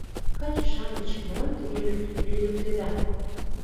— Каче-шамыч, молан тыге лӱдыктеда?